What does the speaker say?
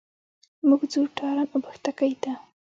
موږ ځو تارڼ اوبښتکۍ ته.